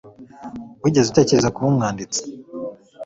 Wigeze utekereza kuba umwanditsi?